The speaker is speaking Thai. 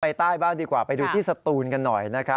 ใต้บ้างดีกว่าไปดูที่สตูนกันหน่อยนะครับ